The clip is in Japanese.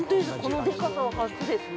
◆このでかさは初ですね。